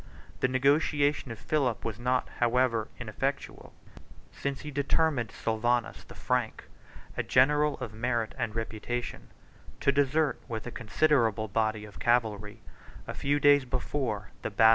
The negotiation of Philip was not, however, ineffectual, since he determined Sylvanus the Frank, a general of merit and reputation, to desert with a considerable body of cavalry, a few days before the battle of Mursa.